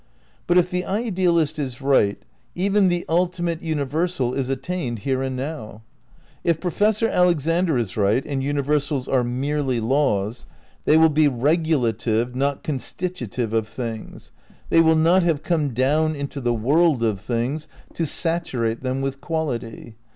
But if the idealist is right even the ultimate uni versal is attained here and now. If Professor Alex ander is right, and universals are "merely laws," they will be regulative, not constitutive of things. They will not have come down into the world of things to saturate them with quality.